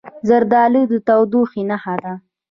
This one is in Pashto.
زردالو د تودوخې نښه ده.